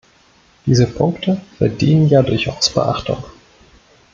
Diese Punkte verdienen ja durchaus Beachtung.